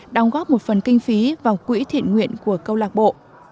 đóng góp một phần kinh phí vào quỹ thiện nguyện của câu lạc bộ